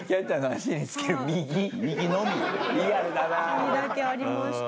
右だけありました。